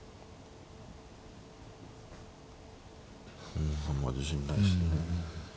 うんあんま自信ないっすよね。